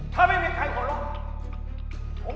ถ้าไม่มีใครห่วง